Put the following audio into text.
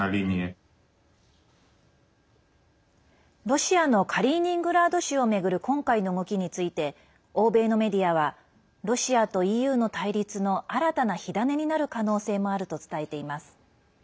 ロシアのカリーニングラード州を巡る今回の動きについて欧米のメディアはロシアとＥＵの対立の新たな火種になる可能性もあると伝えています。